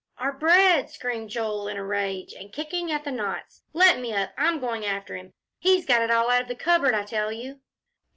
"Our bread!" screamed Joel, in a rage, and kicking at the knots. "Let me up! I'm going after him. He's got it all out of the cupboard, I tell you!"